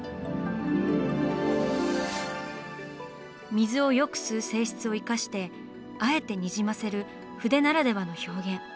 水をよく吸う性質を生かしてあえてにじませる筆ならではの表現。